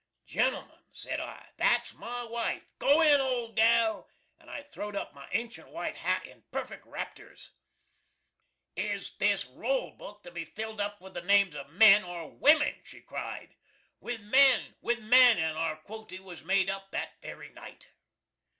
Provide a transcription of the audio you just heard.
"Gentl'man," said I, "that's my wife! Go in, old gal!" and I throw'd up my ancient white hat in perfeck rapters. "Is this roll book to be filled up with the names of men or wimin?" she cried. "With men with men!" and our quoty was made up that very night.